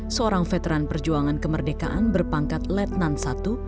seorang veteran perjuangan kemerdekaan berpangkat letnan i